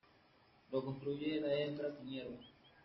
Lo construye la hembra con hierba.